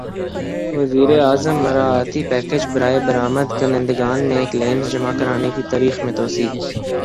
وزیر اعظم مراعاتی پیکج برائے برامد کنندگان میں کلیمز جمع کرانے کی تاریخ میں توسیع